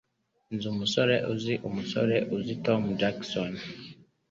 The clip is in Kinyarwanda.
Nzi umusore uzi umusore uzi Tom Jackson.